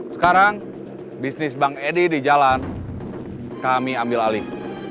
sekarang bisnis bang edi di jalan kami ambil alih